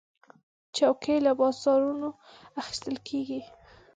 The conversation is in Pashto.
چوکۍ له بازارونو اخیستل کېږي.